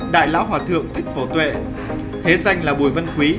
đại lão hòa thượng thích phổ tuệ thế danh là bùi văn quý